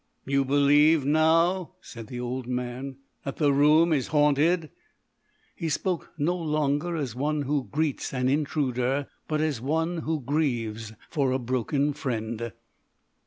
"You believe now," said the old man, "that the room is haunted?" He spoke no longer as one who greets an intruder, but as one who grieves for a broken friend.